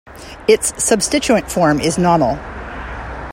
Its substituent form is nonyl.